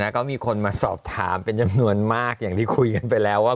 ก็มีคนมาสอบถามเป็นจำนวนมากอย่างที่คุยกันไปแล้วว่า